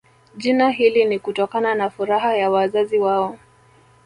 Jina hili ni kutokana na furaha ya wazazi wao